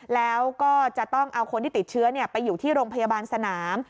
แล้วก็จะต้องเอาคนที่ติดเชื้อไปอยู่ที่โรงพยาบาลสนาม